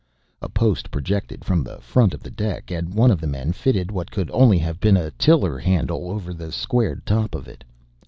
A post projected from the front of the deck and one of the men fitted what could only have been a tiller handle over the squared top of it.